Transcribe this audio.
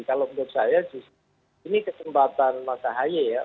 kalau menurut saya ini kesempatan masa aye ya